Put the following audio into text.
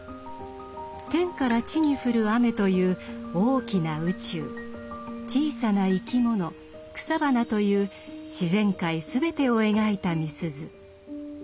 天から地にふる雨という大きな宇宙小さな生き物草花という自然界全てを描いたみすゞ。